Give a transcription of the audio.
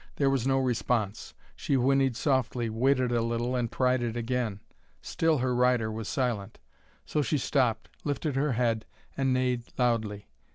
There was no response. She whinnied softly, waited a little, and tried it again. Still her rider was silent. So she stopped, lifted her head, and neighed loudly.